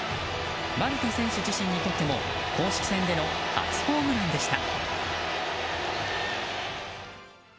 丸田選手自身にとっても公式戦での初ホームランでした。